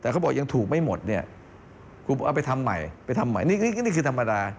ครูเอาไปทำใหม่นี่คือธรรมดา